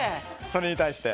それに対して？